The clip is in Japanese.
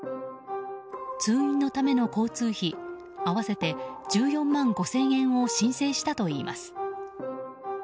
通院のための交通費合わせて１４万５０００円を申請したといいます。